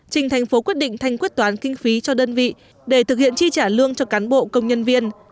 trình thành phố quyết định thanh quyết toán kinh phí cho đơn vị để thực hiện chi trả lương cho cán bộ công nhân viên